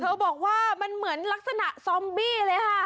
เธอต้องบอกว่าเหมือนลักษณะซ้อมบี้เลยค่ะ